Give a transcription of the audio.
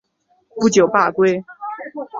不久罢归。